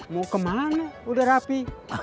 mau kemana udah rapi